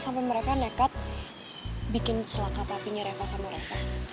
sampai mereka nekat bikin celaka tapinya reva sama reva